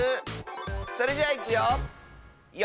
それじゃいくよ！